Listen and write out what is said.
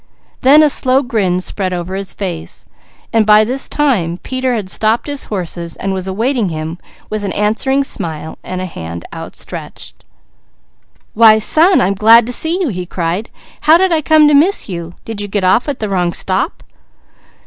Then a slow grin spread over his face, for by this time Peter had stopped his horses and was awaiting him with an answering smile and hand outstretched. "Why son, I'm glad to see you!" he cried. "How did I come to miss you? Did you get off at the wrong stop?"